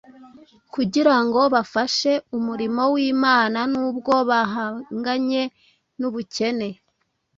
kugira ngo bafashe umurimo w’Imana n’ubwo bahanganye n’ubukene.